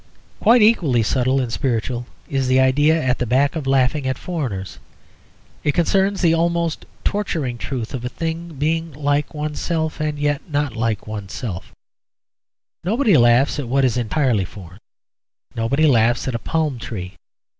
Quite equally subtle and spiritual is the idea at the back of laughing at foreigners. It concerns the almost torturing truth of a thing being like oneself and yet not like oneself. Nobody laughs at what is entirely foreign; nobody laughs at a palm tree.